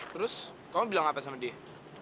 terus kamu bilang apa sama dia